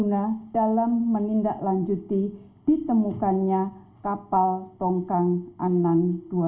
sangat berguna dalam menindaklanjuti ditemukannya kapal tongkang anan dua belas